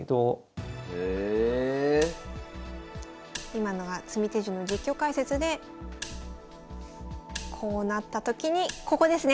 今のが詰み手順の実況解説でこうなったときにここですね。